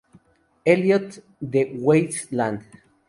Eliot "The Waste Land".